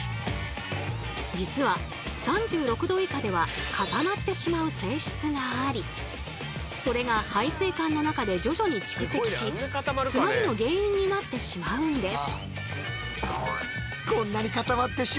実は３６℃以下では固まってしまう性質がありそれが排水管の中で徐々に蓄積し詰まりの原因になってしまうんです。